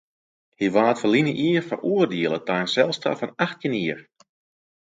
Hy waard ferline jier feroardiele ta in selstraf fan achttjin jier.